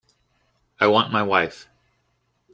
I want my wife.